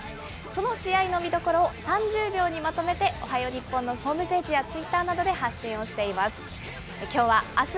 その試合の見どころを３０秒にまとめて、おはよう日本のホームページやツイッターなどで発信をしています。